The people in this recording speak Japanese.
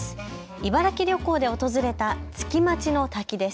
茨城旅行で訪れた月待の滝です。